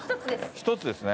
１つですね。